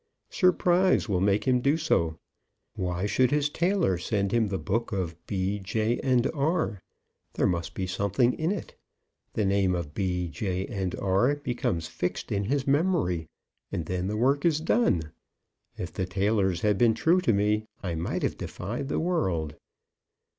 Surprise will make him do so. Why should his tailor send him the book of B., J., and R.? There must be something in it. The name of B., J., and R., becomes fixed in his memory, and then the work is done. If the tailors had been true to me, I might have defied the world."